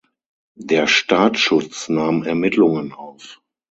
Der Staatsschutz nahm Ermittlungen auf.